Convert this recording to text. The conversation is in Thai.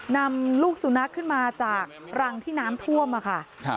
นำลูกสุนัขขึ้นมาจากรังที่น้ำท่วมค่ะ